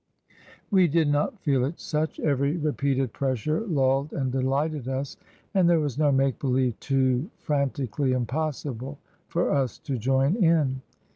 We did not feel it such; every repeated pressure lulled and delighted us; and there was no make believe too frantically impossible for us to join in.